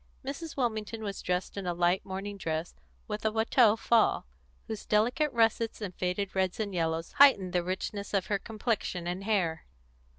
Mrs. Wilmington was dressed in a light morning dress with a Watteau fall, whose delicate russets and faded reds and yellows heightened the richness of her complexion and hair.